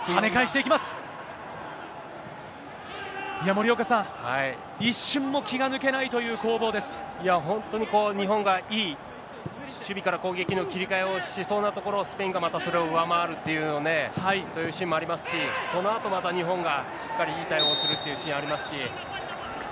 いや、森岡さん、一瞬も気が抜けいや、本当に日本がいい守備から攻撃の切り替えをしそうなところを、スペインがまたそれを上回るという、そういうシーンもありますし、そのあとまた日本が、しっかりいい対応をするというシーンありますし。